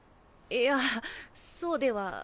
いやそうでは。